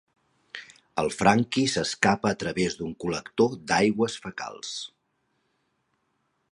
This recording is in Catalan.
El Frankie s'escapa a través d'un col·lector d'aigües fecals.